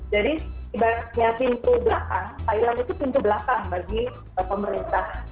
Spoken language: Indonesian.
jadi tiba tiba pintu belakang thailand itu pintu belakang bagi pemerintah